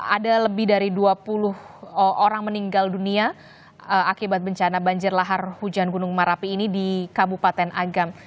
ada lebih dari dua puluh orang meninggal dunia akibat bencana banjir lahar hujan gunung merapi ini di kabupaten agam